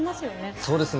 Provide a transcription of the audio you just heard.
そうですね。